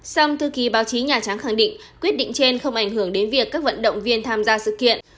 song thư ký báo chí nhà trắng khẳng định quyết định trên không ảnh hưởng đến việc các vận động viên tham gia sự kiện